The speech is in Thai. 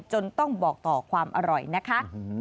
จนต้องบอกต่อความอร่อยนะคะ